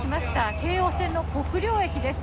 京王線の国領駅です。